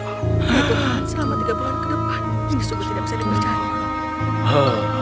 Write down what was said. ya tuhan selama tiga bulan ke depan jinsu tidak bisa dipercaya